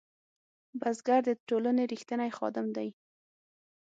بزګر د ټولنې رښتینی خادم دی